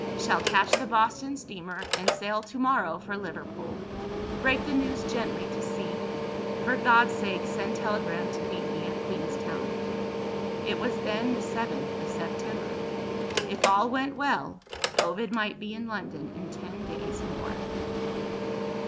Shall catch the Boston steamer, and sail to morrow for Liverpool. Break the news gently to C. For God's sake send telegram to meet me at Queenstown." It was then the 7th of September. If all went well, Ovid might be in London in ten days more.